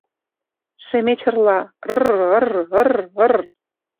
Шемеч ырла: «Ыр-ыр, ыр-ыр!»